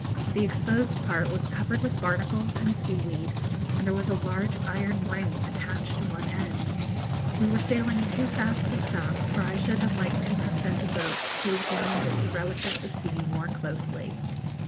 The exposed part was covered with barnacles and seaweed, and there was a large iron ring attached to one end. We were sailing too fast to stop, or I should have liked to have sent a boat to examine this 'relic of the sea' more closely.